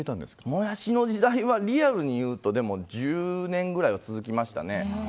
もやしの時代はリアルに言うとでも１０年ぐらいは続きましたね。